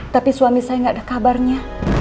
tapi suami saya tidak ada kabarnya